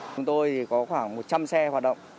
chúng tôi thì có khoảng một trăm linh xe hoạt động